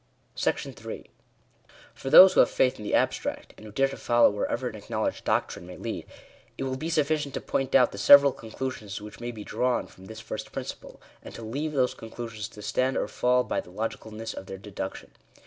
§3. For those who have faith in the abstract, and who dare to follow wherever an acknowledged doctrine may lead, it will be sufficient to point out the several conclusions which may be drawn from this first principle, and to leave those conclusions to stand or fall by the logicalness of their deduction.